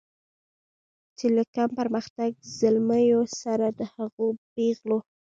چې له کم پرمختګه زلمیو سره د هغو پیغلو